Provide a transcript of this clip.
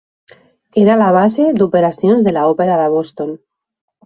Era la base d'operacions de l'Òpera de Boston.